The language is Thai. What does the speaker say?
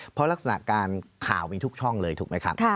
เพราะลักษณะการข่าวมีทุกช่องเลยถูกไหมครับ